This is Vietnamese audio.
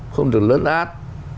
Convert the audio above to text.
không được lớn át